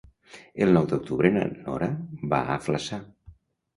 El nou d'octubre na Nora va a Flaçà.